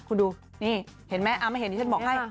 คุณดูนี่เห็นไหมไม่เห็นที่ฉันบอกให้